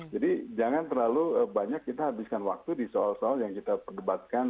jadi jangan terlalu banyak kita habiskan waktu di soal soal yang kita perdebatkan